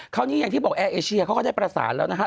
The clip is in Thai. อย่างที่บอกแอร์เอเชียเขาก็ได้ประสานแล้วนะฮะ